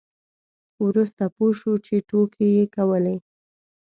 وروسته پوه شو چې ټوکې یې کولې.